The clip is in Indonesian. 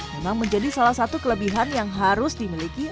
memang menjadi salah satu kelebihan yang harus dimiliki